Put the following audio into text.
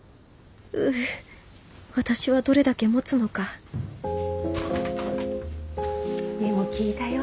うう私はどれだけもつのかでも聞いたよ。